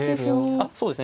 あっそうですね。